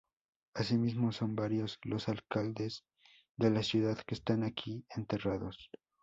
Asimismo, son varios los alcaldes de la ciudad que están aquí enterrados.